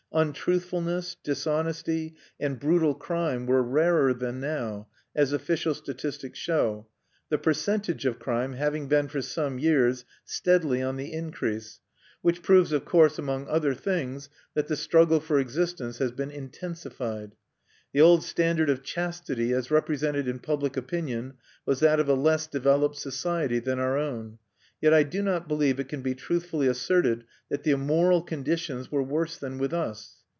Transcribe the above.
Untruthfulness, dishonesty, and brutal crime were rarer than now, as official statistics show, the percentage of crime having been for some years steadily on the increase which proves of course, among other things, that the struggle for existence has been intensified. The old standard of chastity, as represented in public opinion, was that of a less developed society than our own; yet I do not believe it can be truthfully asserted that the moral conditions were worse than with us.